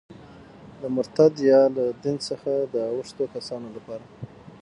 د مرتد یا له دین څخه د اوښتو کسانو لپاره.